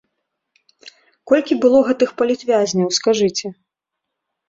Колькі было гэтых палітвязняў, скажыце?